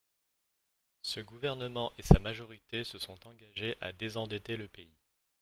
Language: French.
Ce gouvernement et sa majorité se sont engagés à désendetter le pays.